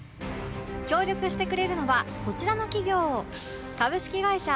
協力してくれるのはこちらの企業